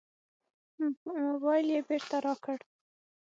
موبایل یې بېرته راکړ.